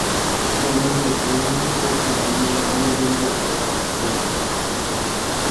Romombeʼúmaniko peẽme ore rembiapo vaikue.